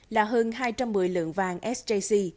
là hơn hai trăm một mươi lượng vàng sjc